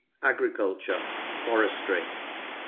15. Agriculture. Forestry.